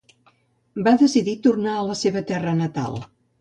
Va decidir tornar a la seva terra natal